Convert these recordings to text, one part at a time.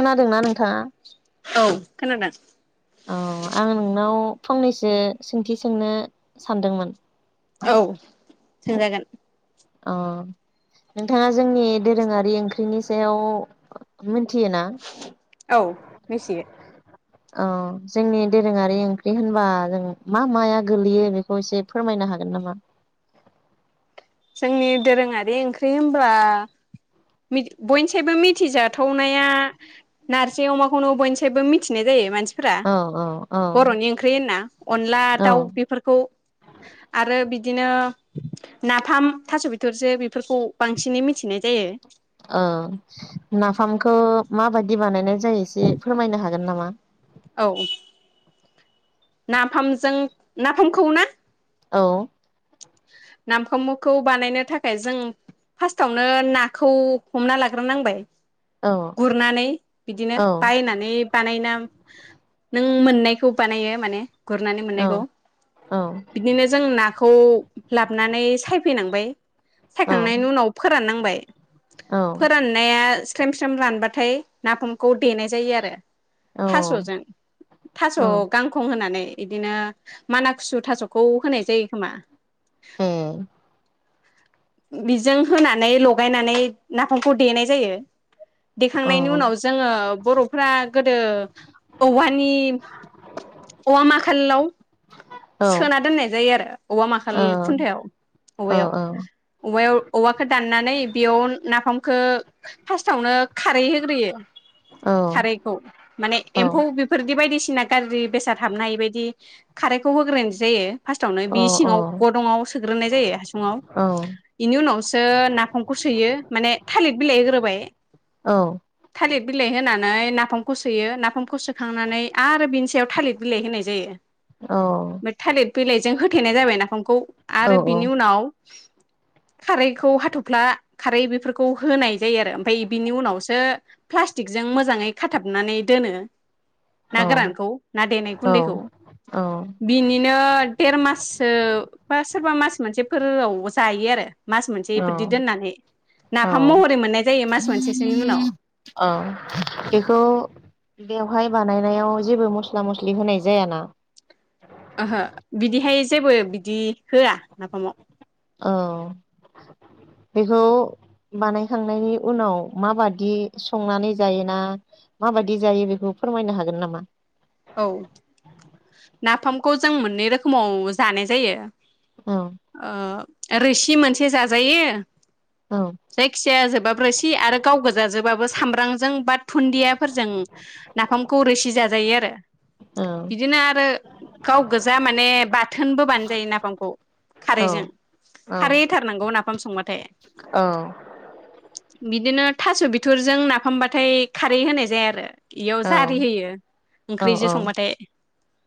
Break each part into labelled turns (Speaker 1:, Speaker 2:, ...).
Speaker 1: खोनादोंना नोंथाङा
Speaker 2: औ खोनादों।
Speaker 1: औ आं नोंनाव फंनैसो सोंथि सोंनो सानदोंमोन
Speaker 2: औ सोंजागोन
Speaker 1: अ नोंथाङा जोंनि दोरोङारि ओंख्रिनि सायाव मोनथियो ना?
Speaker 2: औ मिथियो
Speaker 1: अ जोंनि दोरोङारि ओंख्रि होनबा जों मा माया गोलैयो बेखौ एसे फोरमायनो हागोन नामा?
Speaker 2: जोंनि दोरोङारि ओंख्रि होनबा मिथि बयनिसायबो मिथिजाथावनाया नारजि अमाखौनो बयनिसायबो मिथिनाय जायो मानसि फ्रा
Speaker 1: औ औ औ
Speaker 2: बर'नि ओंख्रि होनना अनला
Speaker 1: औ
Speaker 2: दाउ बेफोरखौ आरो बि बिदिनो ना फाम थास बिथरजो बेफोरखौ बांसिनै मिथिनाय जायो।
Speaker 1: औ नाफामखौ माबायदि बानायनाय जायो एसे फोरमायनो हागोन नामा
Speaker 2: औ नाफामजों नाफामखौ ना
Speaker 1: औ
Speaker 2: नामफमखौ बानायनो थाखाय जों फार्स्टावनो नाखौ हमना लाग्रोनांबाय
Speaker 1: औ
Speaker 2: गुरनानै बिदिनो
Speaker 1: औ
Speaker 2: बायनानै बानायना नों मोननायखौ बानायो माने गुरनानै मोननायखौ
Speaker 1: औ
Speaker 2: बिदिनो जों नाखौ लाबनानै सायफैनांबाय
Speaker 1: औ
Speaker 2: सायखांनायनि उनाव फोराननांबाय
Speaker 1: औ
Speaker 2: फोराननाया स्रम स्रेम रानबाथाय नाफामखौ देनाय जायो आरो थासजों थास
Speaker 1: औ
Speaker 2: गांखं होनानै बिदिनो माना खुसु थासखौ होनाय जायो खोमा
Speaker 1: ए
Speaker 2: बेजों होनानै लगायनानै नाफामखौ देनाय जायो।
Speaker 1: औ
Speaker 2: देखांनायनि उनाव जोङो बर'फोरा गोदो औवानि औवा माखाल्लाव
Speaker 1: औ
Speaker 2: सोना दोननाय जायो आरो औवा
Speaker 1: औ
Speaker 2: माखाल खुन्थायाव
Speaker 1: औ
Speaker 2: औवायाव औवायाव औवाखौ दाननानै बेयाव नाफामखो फार्स्टावनो खारै होग्रोयो
Speaker 1: औ
Speaker 2: खारैखौ माने
Speaker 1: औ
Speaker 2: एम्फौ बेफोरदि बायदिसि ना गाज्रि बेसाद हाबनो हायैबायदि खारै खौ होग्रोनाय जायो। फार्स्टआवनो बि सिङाव गदंआव सोग्रोनाय जायो हासुङाव
Speaker 1: औ
Speaker 2: इनि उनावसो नाफामखौ सोयो माने थालिर बिलाइ होग्रोबाय
Speaker 1: औ
Speaker 2: थालिर बिलाइ होनानै नाफामखौ सोयो नाफामखौ सो खांनानै आरो बिनि सा याव थालिद बिलाइ होनाय जायो। बे थालिद बिलायजों होथेनाय जाबाय नाफामखौ आरो बिनि उनाव खारैखौ हाथफ्ला खारै बेफोरखौ होनाय जायो आरो ओमफाय बिनि उनावसो प्लास्टिकजों मोजाङै खाथाबनानै दोनो। ना गोरानखौ ना देनाय
Speaker 1: औ
Speaker 2: गुन्दैखौ।
Speaker 1: औ
Speaker 2: बिनिनो देर माससो बा सोरबा मास मोनसे फोरआव जायो आरो। मास मोनसे इफोरदि दोननानै नाफाम महरै मोननाय जायो मास मोनसेसोनि उनाव।
Speaker 1: बेखौ बेवहाय बानायनायाव जेबो मस्ला मस्लि होनाय जायाना?
Speaker 2: ओहो बिदिहाय जेबो बिदि होआ नाफामाव।
Speaker 1: औ बेखौ बानायखांनायनि उनाव माबादि संनानै जायोना माबायदि जायो बेखौ फोरमायनो हागोन नामा?
Speaker 2: औ नाफामखौ जों मोननै रोखोमाव जानाय जायो।
Speaker 1: औ
Speaker 2: ओ रोसि मोनसे जाजायो
Speaker 1: औ
Speaker 2: जायखिजाया जोबाबो रोसि आरो गाव गोजाजोबाबो सामब्रांजों बाद धुन्दियाफोरजों नाफामखौ रोसि जाजायो आरो।
Speaker 1: औ
Speaker 2: बिदिनो आरो गाव गोजा माने बा थोनबो बानाय जायो नाफामखौ खारैजों
Speaker 1: औ
Speaker 2: खारै होथारनांगौ नाफा फाम संबाथाय।
Speaker 1: औ।
Speaker 2: बिदिनो थास बिथरजों नाफामबाथाय खारै होनाय जाया आरो। इयाव
Speaker 1: औ
Speaker 2: जारि होयो।
Speaker 1: औ
Speaker 2: ओंख्रिजों संबाथाय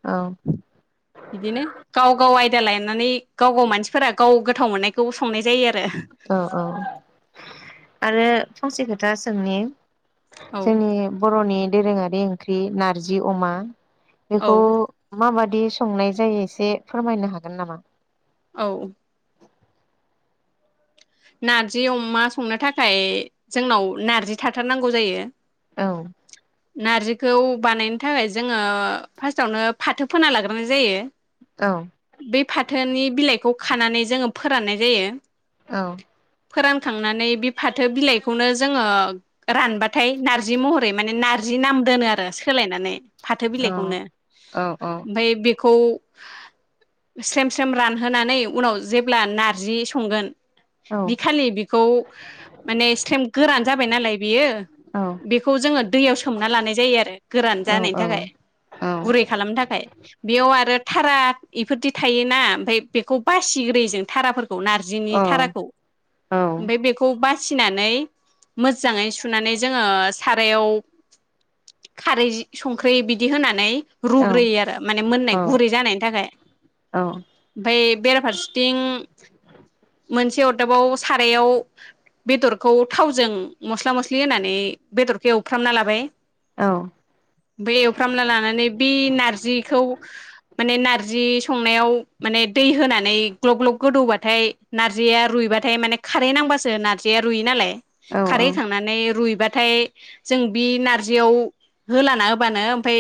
Speaker 1: औ
Speaker 2: बिदिनो गाव गाव आयदा लायनानै गाव गाव मानसिफोरा गाव गोथाव मोननाय
Speaker 1: अ औ आरो फंसे खोथा सोंनि जोंनि बर'नि दोरोङारि ओंख्रि नारजि अमा
Speaker 2: औ
Speaker 1: बेखौ माबादि बिदि संनाय जायो एसे फोरमायनो हागोन नामा
Speaker 2: औ नारजि अमा संनो थाखाय जोंनाव नारजि थाथारनांगौ जायो
Speaker 1: औ
Speaker 2: नारजिखौ बानायनो थाखाय जोङो फार्स्टावनो फाथो फोना लाग्रोनाय जायो
Speaker 1: औ
Speaker 2: बे फाथोनि बिलाइखौ खानानै जोङो फोराननाय जायो
Speaker 1: औ
Speaker 2: फोरानखांनानै बे फाथो बिलाइखौनो जोङो रानबाथाय नारजि महरै माने नारजि नाम दोनो आरो सोलायनानै फाथो बिलाइखौनो
Speaker 1: औ औ औ
Speaker 2: ओमफाय बेखौ खौ स्रेम स्रेम रानहोनानै उनाव जेब्ला नारजि संगोन
Speaker 1: औ
Speaker 2: बि खालि बेखौ माने स्रेम गोरान जाबाय नालाय बेयो
Speaker 1: औ
Speaker 2: बेखौ जोङो दैयाव सोमना लानाय जायो आरो गोरान
Speaker 1: औ
Speaker 2: जानायनि थाखाय गुरै खालामनो थाखाय बेयाव आरो थारा इफोर थायोना ओमफ्राय बेखौ बासिग्रोयो जों थाराफोरखौ खौ नारजिनि थाराखौ ओमफाय बेखौ बासिनानै मोजाङै सुनानै जोङो सारायाव खारै संख्रि बिदि होनानै
Speaker 1: औ
Speaker 2: रुग्रोयो आरो माने मोननाय गुरै जानायनि थाखाय ओमफाय बेराफारसेथिं मोनसे अरदाबाव सारायाव बेदरखौ थावजों मस्ला मस्लि होनानै बेदरखौ एवफ्रामना लाबाय
Speaker 1: औ
Speaker 2: बे एउफ्रामना लानानै बे नारजिखौ माने नारजि संनायाव माने दै होनानै ग्लब ग्लब गोदौबाथाय नारजिया रुइबाथाय माने खारै नांबासो नारजिया रुयो नालाय
Speaker 1: औ
Speaker 2: खारै होखांनानै रुइ बाथाय जों बि नारजियाव होलाना होबानो ओमफ्राय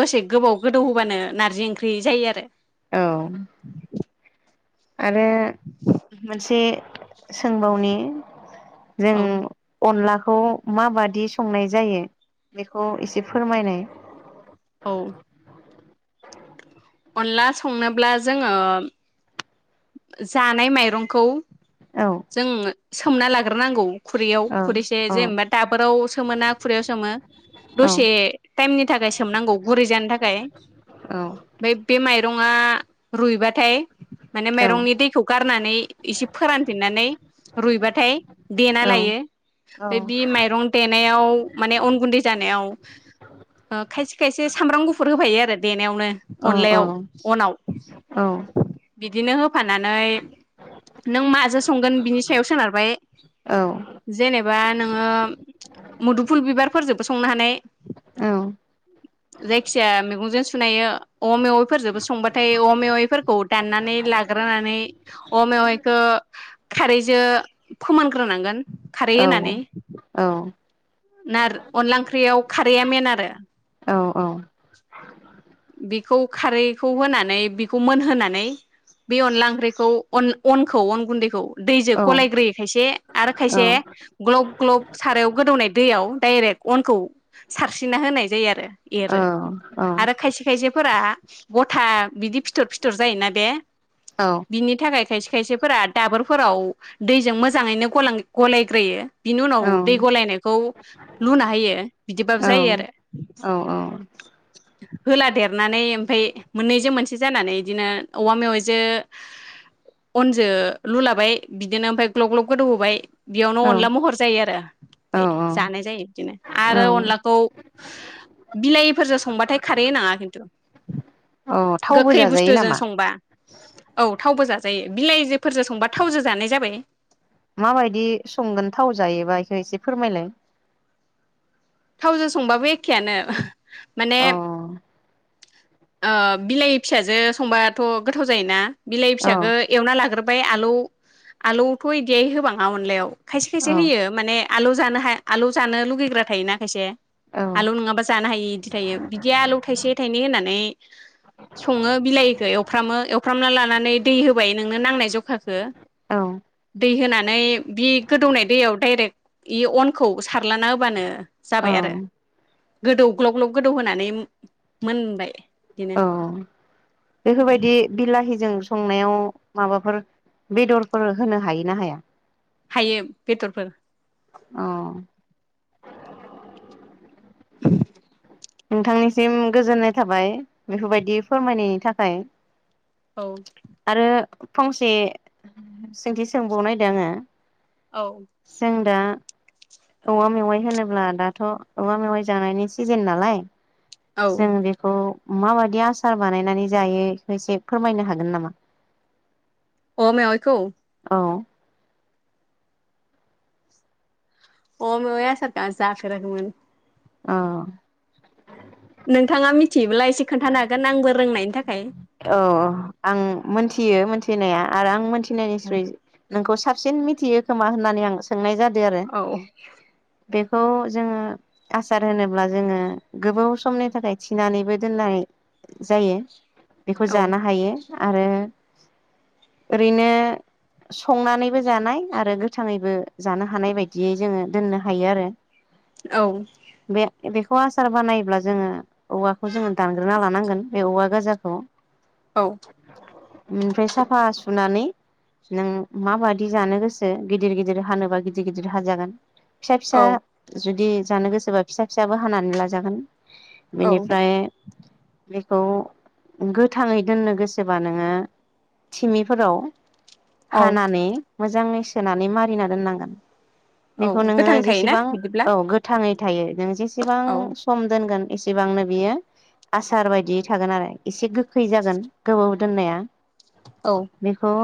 Speaker 2: दसे गोबाव गोदौ होबानो नारजि ओंख्रि जायो आरो
Speaker 1: ओउ। आरो मोनसे सोंबावनि जों
Speaker 2: औ
Speaker 1: अनला खौ माबादि संनाय जायो बेखौ एसे फोरमायनाय
Speaker 2: ओउ। अनदला संनोब्ला जोङो जानाय माइरंखौ
Speaker 1: औ
Speaker 2: जोङो सोमना लाग्रोनांगौ। खुरैयाव
Speaker 1: औ
Speaker 2: खुरैसे
Speaker 1: औ
Speaker 2: जेनेबा दाबोराव सोमोन ना खुरैयाव सोमो
Speaker 1: औ
Speaker 2: दसे टाइमनि थाखाय सोमनांगौ गुरै जानो थाखाय बै बे माइरं ङा रुयबाथाय माने माइरंनि दैखौ गारनानै एसे फोरान फिननानै रुयबाथाय देना लायो बे बि माइरं देनायाव माने अन गुन्दै जानायाव ओ खायसे खायसे सामब्राम गुफुर होफायो आरो देनायावनो अनलायाव अनाव बिदिनो होब फानानै नों मा जो संगोन बिनि सायाव सोनारबाब जेनेबा नोङो मुदुमफुल बिबिरफोरजोंबो संनोहानाय जायखि जाया मैगंजो सुनायो औवा मेवाइफोरजोंबो संबाथाय औवा मेवाइफोरखौ दाननानै लाग्रोनानै औवा मेवाइखौ खारैजो फोमानग्रोनांगोन।
Speaker 1: ओउ ओउ।
Speaker 2: नार अनला ओंख्रियाव खारैया मेन आरो
Speaker 1: ओउ।
Speaker 2: बेखौ खारैखौ होनानै बिखौ मोनहोनानै बे अनला ओंख्रिखौ अनला अनखौ अन गुन्दैखौ दैजों गलायग्रोयो खायसे आरो खायसे ग्लब ग्लब सारायाव गोदौनाय दैयाव दायरेक अनखौ सारस्रिरिना होनाय जायो आरो एरो आरो खायसे जोफोरा गथा बिदि फिथर फिथर जायोना बे बिनि थाखाय खायसे खायसेफोरा दाबोरफोराव दैजों मोजाङैनो गलां गलायग्रोयो। बिनि उनाव दै गलायनायखौ लुना होयो बिदिबाबो जायो आरो [inaudible] होलादेरनानै ओमफाय मोननैजों मोनसे जानानै बिदिनो औवा मेवाइजो अनजो लुलाबाय बिदिनो ओमफाय ग्लब ग्लब गोदौ होबाय। बेयावनो अनला महर जायो आरो ओमफाय जानाय जायो बिदिनो आरो अनलाखौ बिलाइिफोरजों संबाथाय खारै होनाङा खिन्थु
Speaker 1: थावबो
Speaker 2: गोखै
Speaker 1: जाजायो
Speaker 2: बुस्थुजों
Speaker 1: नामा
Speaker 2: संबा औ थावबो जाजायो। बिलाइजोफोरजो संबा थावजो जानाय जाबाय
Speaker 1: माबायदि संगोन थाव जायोबा बेखौ एसे फोरमायलाय
Speaker 2: थावजों संबाबो एखेआनो
Speaker 1: अ
Speaker 2: ओ बिलाइ फिसाजो संबाथ गोथाव जायोना बिलाइ
Speaker 1: औ
Speaker 2: फिसाखौ एवना लाग्रोब बाय आलौ आलौथ इदियै होबाङा अनलायाव। खायसे खायसे
Speaker 1: औ
Speaker 2: होयो माने आलौ जानो हाया आलौ जानो लुगैग्रा थायोना। खायसे
Speaker 1: औ
Speaker 2: आलौ नङाबा जानो हायि इदि थायो बिदि आलौ थाइसे थाइनै होनानै सङो बिलाइखौ एवफ्रामो एवफ्रामना लानानै दै होबाय नोंनो नांनाय जखाखो
Speaker 1: औ
Speaker 2: दै होनानै बि गोदौनाय दैयाव डाइरेक्ट इ अनखौ सारलाना होबानो।
Speaker 1: औ।
Speaker 2: जाबाय आरो गोदौ ग्लब ग्लब गोदौ होनानै मोनबाय। बिदिनो
Speaker 1: औ बेफोरबायदि बिलाहिजों स संनायाव माबाफोर बेदरफोर होनो हायो ना हाया?
Speaker 2: हायो बेदरफोर।
Speaker 1: अ।
Speaker 2: [unintelligible]
Speaker 1: नोंथांनिसिम गोजोननाय थाबाय बेफोरबायदि फोरमायनायनि थाखाय।
Speaker 2: औ
Speaker 1: आरो फंसे सोंथि सोंबावनो नायदों आङो
Speaker 2: औ
Speaker 1: जों दा औवा मेवाइ होनोब्ला दाथ औवा मेवाइ जानायनि सिजेन नालाय। उ जों बेखौ माबायदि आसार बानायनानै जायो बेखौ एसे फोरमायनो हागोन नामा?
Speaker 2: औवा मेवायखौ।
Speaker 1: औ।
Speaker 2: औवा मेवाय आसार दा जाफेराखैमोन।
Speaker 1: अ
Speaker 2: नोंथाङा मिथियोब्ला एसे खोन्थानो हागोन आंबो रोंनायनि थाखाय।
Speaker 1: थिनाया आरो आं मोन्थि हिनाय निस्रोय नोंखौ साबसिन मिथियो खोमा होननानै आं सोंनाय जा
Speaker 2: औ।
Speaker 1: बेखौ जोङो आसार होनोब्ला जोङो गोबाव समनि थाखाय थिनानैबो दोननाय जायो बेखौ
Speaker 2: औ
Speaker 1: जानो हायो। आरो ओरैनो संनानैबो जानाय आरो गोथाङैबो जानो हानाय बायदियै जोङो दोननो हायो आरो
Speaker 2: औ।
Speaker 1: बे बेखौ आसार बानायोब्ला जोङो औवाखौ जोङो दानग्रोना लानांगोन बे औवा गोजाखौ
Speaker 2: औ
Speaker 1: ओमफ्राय साफा सुनानै नों माबादि जानो गोसो गिदिर गिदिर हानोबा गिदिर गिदिर हाजागोन। फिसा फिसा
Speaker 2: औ
Speaker 1: जुद दे जानो गोसोबा फिसा फिसाबो हानानै लाजागोन।
Speaker 2: औ
Speaker 1: बेनिफ्राय औ गोथाङै दोननो गोसोबा नोङो थिमिफोराव
Speaker 2: औ
Speaker 1: हानानै मोजाङै सोनानै मारिना दोननांगोन।
Speaker 2: औ
Speaker 1: बेखौ नोङो
Speaker 2: गोथां थायोना
Speaker 1: जेसेबां
Speaker 2: बिदिब्ला
Speaker 1: औ गो थाङै थायो। नों जेसेबां
Speaker 2: औ
Speaker 1: सम दोनगोन एसेबांनो बियो आसार बायदियै थागोन आरो एसे गो खैजागोन गोबाव दोन्नाया
Speaker 2: औ
Speaker 1: बेखौ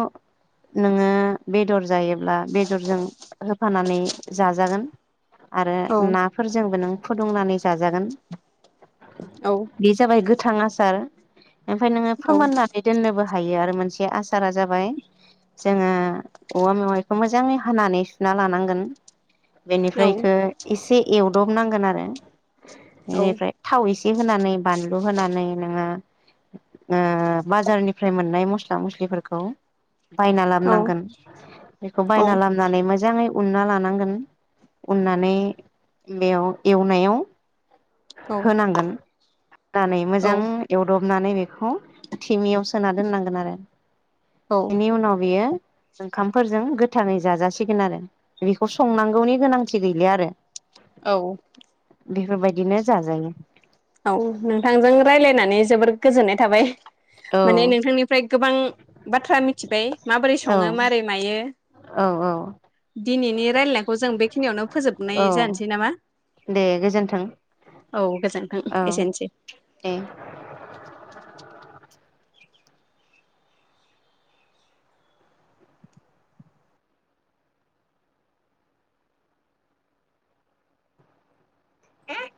Speaker 1: नोङो बेदर जायोब ब्ला बेदरजों होफानानै जाजागोन आरो
Speaker 2: औ
Speaker 1: नाफोरजोंबो नों फुदुंनानै जाजागोन।
Speaker 2: औ
Speaker 1: बे जाबाय गो थां आसार ओमफ्राय नोङो
Speaker 2: औ
Speaker 1: फोमोननानै दोननोबो हायो आरो मोनसे आसारा जाबाय जोङो औवा मेवाइखौ मोजाङै हानानै सुना लानांगोन, बेनिफ्राय इखो
Speaker 2: औ
Speaker 1: एसे एवदबनांगोन आरो। बेनिफ्राय थाव एसे होनानै बानलु होनानै नोङो ओ बाजारनिफ्राय मोननाय मस्ला मस्लिफोरखौ बायना लामनांगोन। बेखौ
Speaker 2: औ
Speaker 1: बायना लामनानै मोजाङै उनना लानांगोन, उननानै बेयाव एवनायाव होनांगोन। होनानै
Speaker 2: औ
Speaker 1: मोजां एवदब नानै बेखौ थेमायाव सोना दोननांगोन आरो।
Speaker 2: औ
Speaker 1: बेनि उनाव बियो ओंखामफोरजों गोथाङै जाजासिगोन आरो। बेखौ संनांगौनि गोनांथि गैलिया आरो।
Speaker 2: औ।
Speaker 1: बेफोरबायदिनो जाजायो।
Speaker 2: औ नोंथांजों रायज्लायनानै जोबोर गोजोननाय थाबाय।
Speaker 1: औ
Speaker 2: माने नोंथांनिफ्राय गोबां बाथ्रा मिथिबाय माबोरै सङो
Speaker 1: औ
Speaker 2: माबारै मायो।
Speaker 1: औ
Speaker 2: दिनैनि रायलायनायखौ जों बेखिनियावनो फोजोबनाय
Speaker 1: औ
Speaker 2: जानोसै नामा?
Speaker 1: दे गोजोन्थों
Speaker 2: औ गोजोनथों।
Speaker 1: औ दे। [unintelligible]